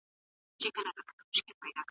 زیاته ډوډۍ ماڼۍ ته یوړل سوه.